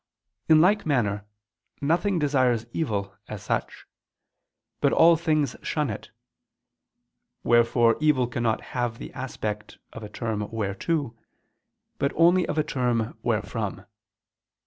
In like manner, nothing desires evil, as such; but all things shun it: wherefore evil cannot have the aspect of a term whereto, but only of a term wherefrom.